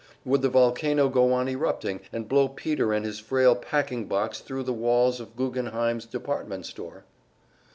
Would the volcano go on erupting, and blow Peter and his frail packing box thru the walls of Guggenheim's Department store?